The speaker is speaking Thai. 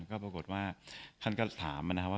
ก็ปรากฏว่าท่านก็ถามมันนะฮะ